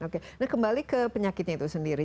oke nah kembali ke penyakitnya itu sendiri